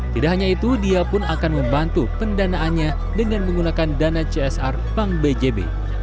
tidak hanya itu dia pun akan membantu pendanaannya dengan menggunakan dana csr bank bjb